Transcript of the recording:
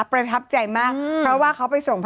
ประทับใจมากเพราะว่าเขาไปส่งพระ